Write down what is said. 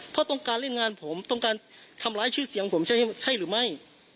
เพราะต้องการเล่นงานผมต้องการทำร้ายชื่อเสียงผมใช่หรือไม่